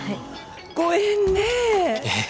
ご縁ねええ